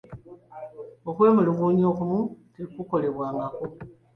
Okwemulugunya okumu tekukolebwako.